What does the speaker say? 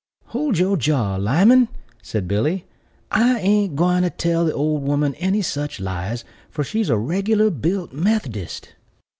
"Hold your jaw, Lyman!" said Billy; "I an't a gwine to tell the old woman any such lies; for she's a reg'lar built Meth'dist."